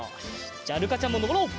じゃあるかちゃんものぼろう！